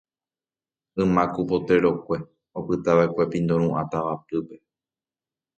Yma ku potrero-kue opytava'ekue Pindoru'ã tavapýpe.